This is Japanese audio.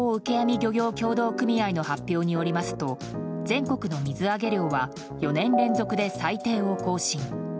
漁業協同組合の発表によりますと全国の水揚げ量は４年連続で最低を更新。